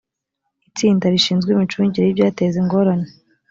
itsinda rishinzwe imicungire y ibyateza ingorane